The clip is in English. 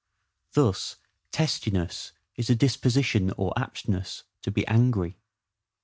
Thus, TESTINESS is a disposition or aptness to be angry.